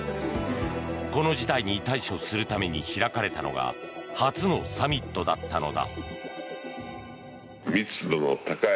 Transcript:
この事態に対処するために開かれたのが初のサミットだったのだ。